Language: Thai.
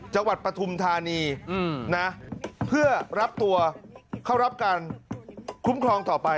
ปฐุมธานีนะเพื่อรับตัวเข้ารับการคุ้มครองต่อไป